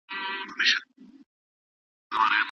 په دنيا کې خو جلال دى يا جمال دى